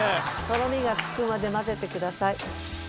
とろみがつくまで混ぜてください。